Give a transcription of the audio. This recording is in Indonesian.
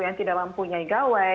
yang tidak mempunyai gawe